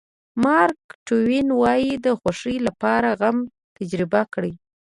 مارک ټواین وایي د خوښۍ لپاره غم تجربه کړئ.